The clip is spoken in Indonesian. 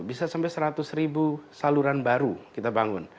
bisa sampai seratus ribu saluran baru kita bangun